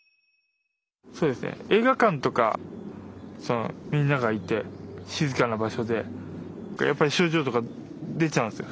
映画館とかみんながいて静かな場所でやっぱり症状とか出ちゃうんですよ。